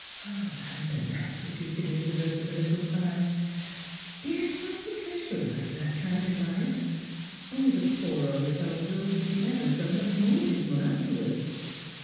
" London," repeated Elizabeth, with a little sigh. " Yes ; I think I should like that kind of life ; only the poor old home will seem ever so much more dismal afterwards.